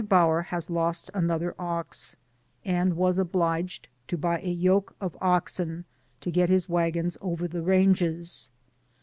Bower has lost another ox, and was obliged to buy a yoke of oxen to get his wagons over the ranges.